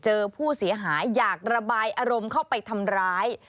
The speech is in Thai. เจอผู้เสียหายอยากระบายอารมณ์เข้าไปทำร้าย